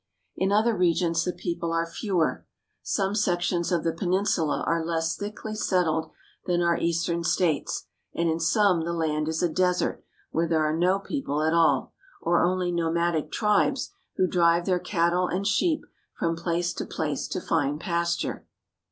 In other regions the peo ple are fewer. Some sec tions of the peninsula are less thickly settled than our East ern states, and in some the land is a desert where there are no people at all, or only nomadic tribes who drive their cattle and sheep from place to place to find pasture.